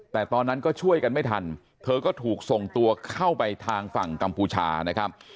แต่ตอนนั้นก็ช่วยกันไม่ทันเธอก็ถูกส่งตัวเข้าไปทางฝั่งกัมพูชานะครับ